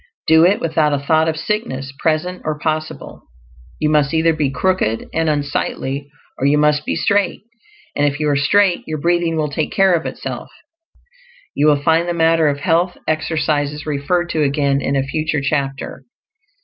Do it without a thought of sickness, present or possible. You must either be crooked and unsightly, or you must be straight; and if you are straight your breathing will take care of itself. You will find the matter of health exercises referred to again in a future chapter.